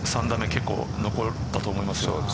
結構、残るんだと思いますよ。